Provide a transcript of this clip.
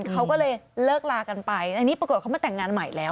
เขาก็เลยเลิกลากันไปอันนี้ปรากฏเขามาแต่งงานใหม่แล้ว